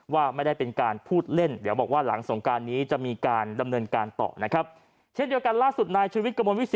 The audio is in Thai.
ว่าไม่ได้เป็นการพูดเล่นเดี๋ยวบอกว่าหลังส